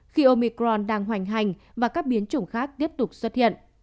khi omicron đang hoành hành và các biến chủng khác tiếp tục xuất hiện